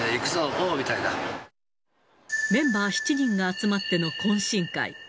おー！みたいメンバー７人が集まっての懇親会。